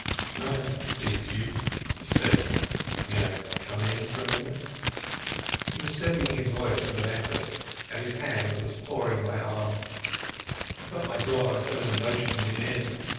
"Can I speak to you?" he said. "May I come in for a minute?" He was steadying his voice with an effort, and his hand was pawing my arm. I got my door open and motioned him in.